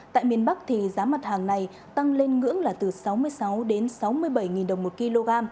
tại miền bắc thì giá mặt hàng này tăng lên ngưỡng là từ sáu mươi sáu đến sáu mươi bảy đồng một kg